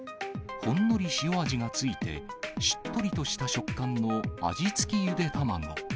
ほんのり塩味が付いて、しっとりとした食感の味付きゆで卵。